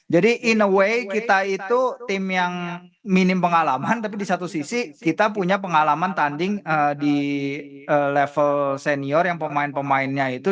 jadi in a way kita itu tim yang minim pengalaman tapi di satu sisi kita punya pengalaman tanding di level senior yang pemain pemainnya itu